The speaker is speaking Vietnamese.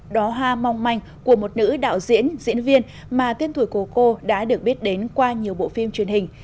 đó hoa mong manh của một nữ đạo diễn diễn viên mà tiên tuổi cô cô đã được biết đến qua nhiều bộ phim truyền hình